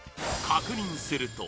確認すると